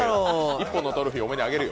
１本のトロフィー、俺のあげるよ。